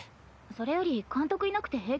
それより監督いなくて平気なの？